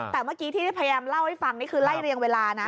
แต่เมื่อกี้ที่พยายามเล่าให้ฟังนี่คือไล่เรียงเวลานะ